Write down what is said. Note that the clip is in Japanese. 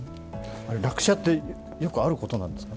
落車って、よくあることなんですか？